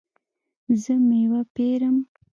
زه میوه پیرم